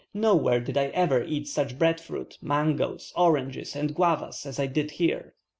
Nowhere did I ever eat such bread fruit, mangoes, oranges, and guavas, as I did here.